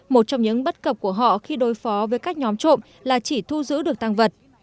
một trong những bất cập của họ khi đối phó với các nhóm trộm là chỉ thu giữ được tăng vật